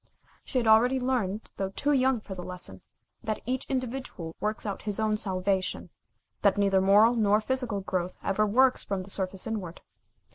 She had already learned, though too young for the lesson, that each individual works out his own salvation, that neither moral nor physical growth ever works from the surface inward.